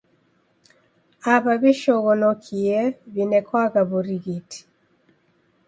Aw'aw'ishoghonokie w'inekwagha w'urighiti.